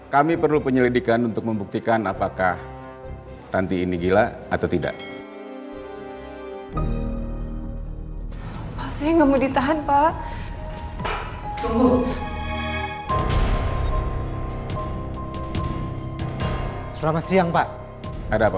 kami perlu penyelidikan untuk membuktikan apakah tanti ini gila atau tidak